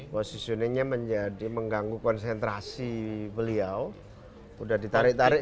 positioningnya menjadi mengganggu konsentrasi beliau sudah ditarik tarik